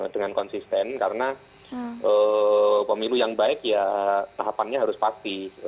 dengan konsisten karena pemilu yang baik ya tahapannya harus pasti